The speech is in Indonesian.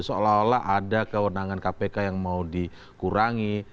seolah olah ada kewenangan kpk yang mau dikurangi